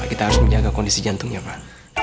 kita harus menjaga kondisi jantungnya pak